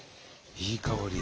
いい香り！